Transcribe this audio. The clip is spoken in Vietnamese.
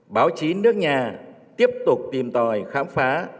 báo chí nước nhà tiếp tục tìm tòi khám phá